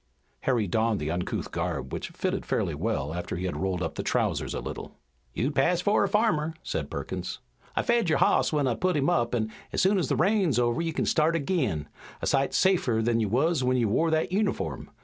Harry donned the uncouth garb, which fitted fairly well after he had rolled up the trousers a little. "You'd pass for a farmer," said Perkins. "I fed your hoss when I put him up, an' as soon as the rain's over you kin start ag'in, a sight safer than you wuz when you wore that uniform.